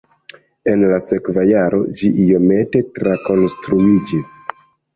En la sekva jaro ĝi iomete trakonstruiĝis.